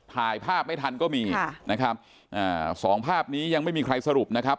ถ่ายภาพไม่ทันก็มีสองภาพนี้ยังไม่มีใครสรุปนะครับ